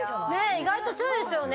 意外と強いですよね。